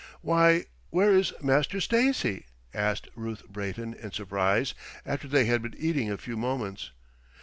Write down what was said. "Why, where is Master Stacy?" asked Ruth Brayton in surprise, after they had been eating a few moments.